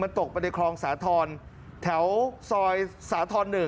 มันตกไปในคลองสะทนแถวซอยสะทน๑